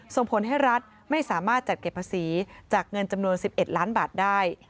ส่งผลให้รัฐไม่สามารถจัดเก็บภาษีจากเงินจำนวน๑๑ล้านบาทได้